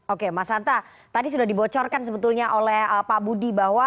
oke mas hanta tadi sudah dibocorkan sebetulnya oleh pak budi bahwa